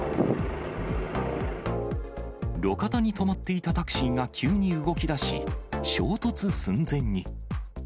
路肩に止まっていたタクシーが急に動きだし、衝突寸前に。